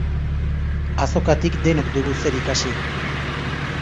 Azokatik denok dugu zer ikasi.